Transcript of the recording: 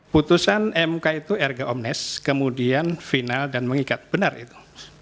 putusan mk itu erga omnes kemudian final dan mengikat benar itu